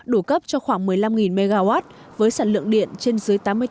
đủ cấp cho khoảng một mươi năm mw với sản lượng điện trên dưới tám mươi tám tỷ kwh